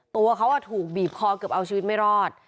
ตัวเขาถูกบีบคอเกือบเอาชีวิตไม่รอด